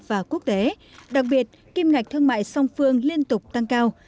và quốc tế đặc biệt kim ngạch thương mại song phương liên tục tăng cao